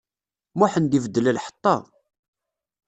Muḥend ibeddel lḥeṭṭa.